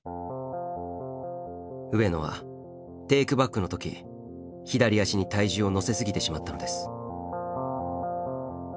上野はテイクバックの時左足に体重を乗せ過ぎてしまったのです。